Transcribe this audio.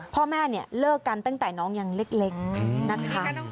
พ่อแม่เลิกกันตั้งแต่น้องอย่างเล็กนะคะ